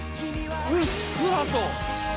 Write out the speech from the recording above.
うっすらと。